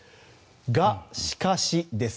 が、しかしです。